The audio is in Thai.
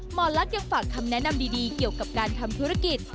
หมอลักษณ์ยังฝากคำแนะนำดีเกี่ยวกับการทำธุรกิจ